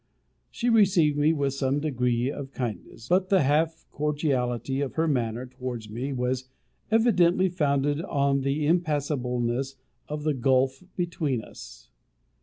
She received me with some degree of kindness; but the half cordiality of her manner towards me was evidently founded on the impassableness of the gulf between us.